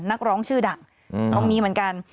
นักร้องชื่อดังน้องมีเหมือนกัน